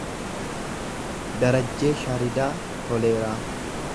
Darajjee Sharidaa Toleeraa